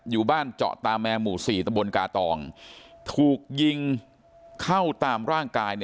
อยู่บ้านเจาะตาแมหมู่๔ตะบนกาตองถูกยิงเข้าตามร่างกาย